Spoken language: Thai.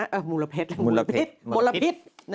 อ่ะมรพเทศอ่ะมรพพิษ